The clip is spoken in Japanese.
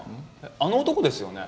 あの男ですよね？